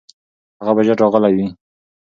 هغه به ژر راغلی وي.